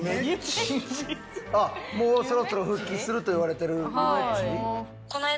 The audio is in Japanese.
もうそろそろ復帰するといわれてるゆめっち？